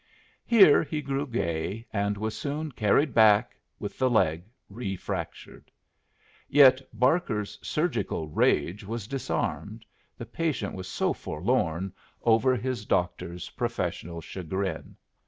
Here he grew gay, and was soon carried back with the leg refractured. Yet Barker's surgical rage was disarmed, the patient was so forlorn over his doctor's professional chagrin.